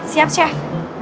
siap siap chef